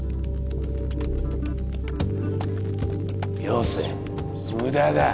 よせ無駄だ。